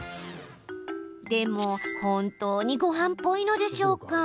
でも、本当にごはんっぽいのでしょうか？